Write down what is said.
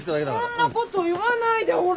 そんなこと言わないでほら！